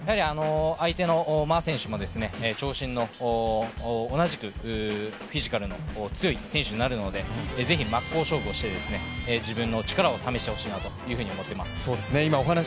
相手の馬選手も長身の、同じくフィジカルの強い選手になるのでぜひ真っ向勝負をして、自分の力を試してほしいと思います。